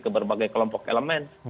ke berbagai kelompok elemen